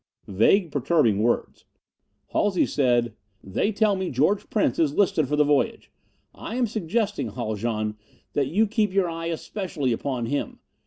Vague, perturbing words! Halsey said, "They tell me George Prince is listed for the voyage. I am suggesting, Haljan, that you keep your eye especially upon him.